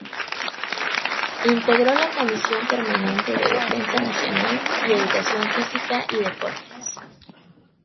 Integró la Comisión Permanente de Defensa Nacional; y Educación Física y Deportes.